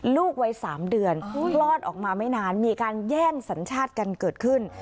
ลูกวัย๓เดือนคลอดออกมาไม่นานมีการแย่งสัญชาติกันเกิดขึ้น